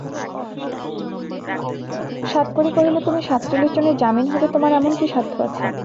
সাতকড়ি কহিল, তুমি সাতচল্লিশ জনের জামিন হবে তোমার এমন কী সাধ্য আছে?